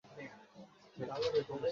আমাকে এসবে জড়াবেন না, চলে যান।